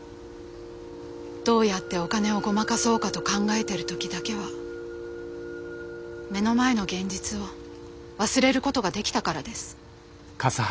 どうやってお金をごまかそうかと考えてる時だけは目の前の現実を忘れることができたからです。